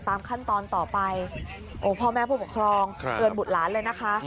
ตามขั้นตอนต่อไปโอ้พ่อแม่ผู้ปกครองเตือนบุตรหลานเลยนะคะ